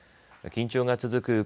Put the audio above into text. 緊張が続く